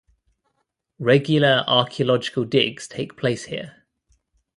Regular archaeological digs take place here.